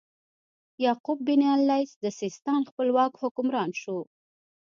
یعقوب بن اللیث د سیستان خپلواک حکمران شو.